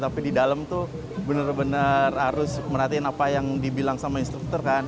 tapi di dalam tuh bener bener harus merhatiin apa yang dibilang sama instruktur kan